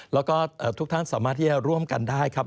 แล้วก็ทุกท่านสามารถที่จะร่วมกันได้ครับ